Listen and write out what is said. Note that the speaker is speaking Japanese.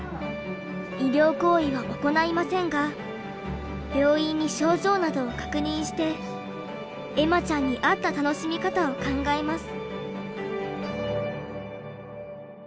医療行為は行いませんが病院に症状などを確認して恵麻ちゃんに合った楽しみ方を考えます。